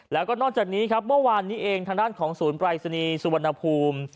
แล้วก็นอกจากนี้ครับเมื่อวานนี้เองทางด้านของศูนย์ปรายศนีย์สุวรรณภูมิ